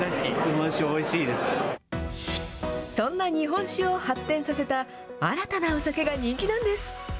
そんな日本酒を発展させた、新たなお酒が人気なんです。